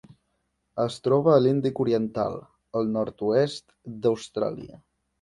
Es troba a l'Índic oriental: el nord-oest d'Austràlia.